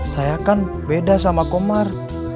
saya kan beda sama komar